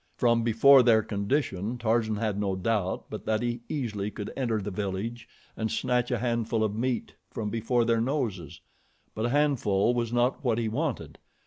From before their condition Tarzan had no doubt but that he easily could enter the village and snatch a handful of meat from before their noses; but a handful was not what he wanted.